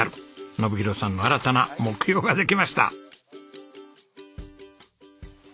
信博さんの新たな目標ができました。